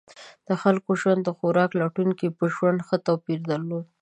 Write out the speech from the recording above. د خلکو ژوند د خوراک لټونکو په ژوند ښه توپیر درلود.